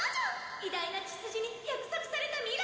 偉大な血筋に約束された未来！